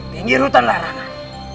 tinggi hutan larangan